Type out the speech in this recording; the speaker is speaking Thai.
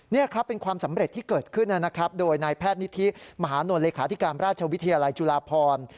นี่ครับเป็นความสำเร็จที่เกิดขึ้นนะครับโดยนายแพทย์นิธิมหานลเลขาธิการราชวิทยาลัยจุฬาพร